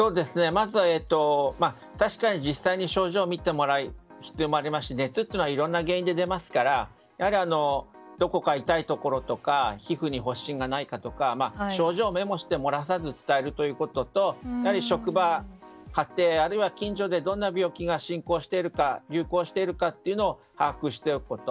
確かに実際に症状を診てもらう必要もありますし熱というのはいろいろな原因で出ますからやはり、どこか痛いところとか皮膚に発疹がないかとか症状をメモして漏らさず伝えるということとやはり職場、家庭、あるいは近所でどんな病気が流行しているかというのを把握していくということ。